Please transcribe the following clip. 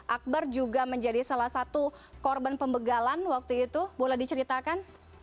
akbar juga menjadi salah satu korban pembegalan waktu itu boleh diceritakan